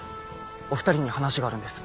お２人に話があるんです。